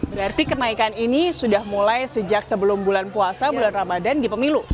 berarti kenaikan ini sudah mulai sejak sebelum bulan puasa bulan ramadhan di pemilu